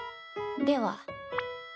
では。